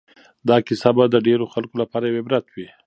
دا کیسه به د ډېرو خلکو لپاره یو عبرت وي.